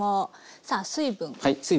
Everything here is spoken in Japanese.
さあ水分。